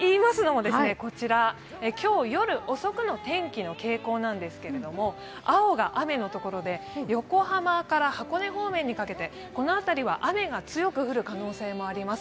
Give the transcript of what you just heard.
今日、夜遅くの天気の傾向なんですけれども、雨が青のところで横浜から箱根方面にかけて、この辺りは雨が強く降る可能性もあります。